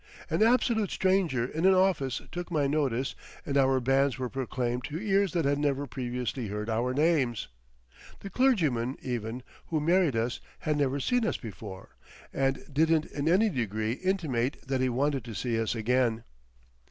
An absolute stranger in an office took my notice, and our banns were proclaimed to ears that had never previously heard our names. The clergyman, even, who married us had never seen us before, and didn't in any degree intimate that he wanted to see us again.